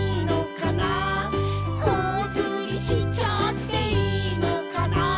「ほおずりしちゃっていいのかな」